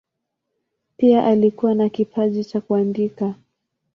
Pia alikuwa na kipaji cha kuandika.